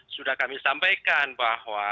sudah kami sampaikan bahwa